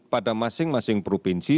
pada masing masing provinsi